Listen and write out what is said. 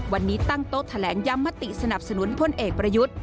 วันนี้ตั้งโต๊ะแถลงย้ำมติสนับสนุนพลเอกประยุทธ์